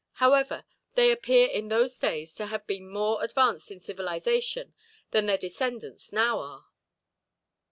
However, they appear in those days to have been more advanced in civilization than their descendants now are.